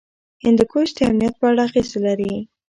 هندوکش د امنیت په اړه اغېز لري.